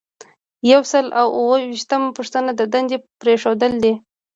یو سل او اووه ویشتمه پوښتنه د دندې پریښودل دي.